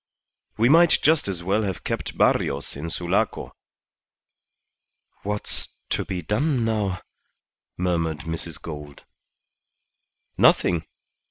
We might just as well have kept Barrios in Sulaco." "What's to be done now?" murmured Mrs. Gould. "Nothing.